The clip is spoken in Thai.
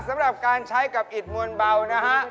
สำหรับการใช้กับอิดมวลเบานะฮะ